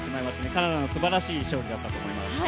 カナダのすばらしい勝利だったと思います。